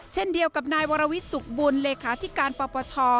เช่นเดียวกับนายวรวิทย์สุขบุญเลขาธิการปปช